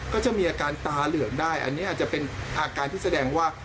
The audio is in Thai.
ก็จะมีอาการตาเหลืองได้อันนี้อาจจะเป็นอาการที่แสดงว่า